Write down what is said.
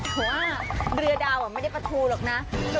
ผมว่าเรือดาวไม่ได้ประทูหรอกนะ